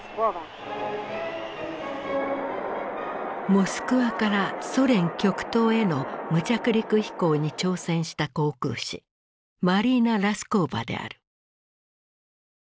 モスクワからソ連極東への無着陸飛行に挑戦した航空士マリーナ・ラスコーヴァである。